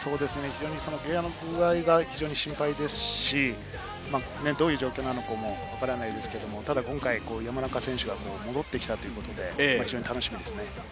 けがの具合が心配ですし、どういう状況なのかもわからないですけれど、今回、山中選手が戻ってきたということで楽しみですね。